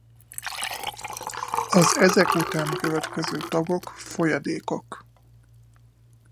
Az ezek után következő tagok folyadékok.